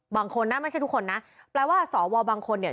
บางคนนะไม่ใช่ทุกคนนะแปลว่าสวบางคนเนี่ย